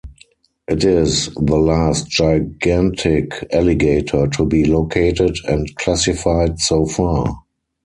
It is the last gigantic alligator to be located and classified so far.